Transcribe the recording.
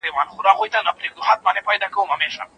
ژباړه او زیاتونه: عبدالباري جهاني